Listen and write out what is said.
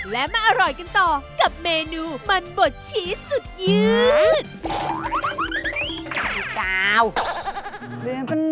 และมาอร่อยกันต่อกับเมนูมันบดชี้สุดยืด